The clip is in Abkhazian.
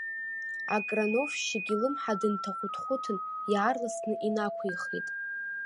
Акрановшьчик илымҳа дынҭахәыҭхәыҭын, иаарласны инақәихит.